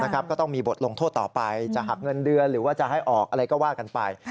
ก็ต้องมีบทลงโทษต่อไปจะหักเงินเดือนหรือว่าจะให้ออกอะไรก็ว่ากันไป